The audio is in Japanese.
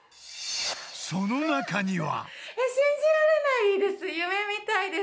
［その中には］